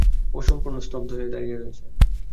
ও সম্পূর্ণ স্তব্ধ হয়ে দাঁড়িয়ে রয়েছে।